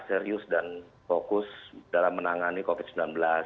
serius dan fokus dalam menangani covid sembilan belas